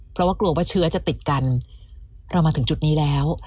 เพราะว่ากลัวว่าเชื้อจะติดกันเรามาถึงจุดนี้แล้ว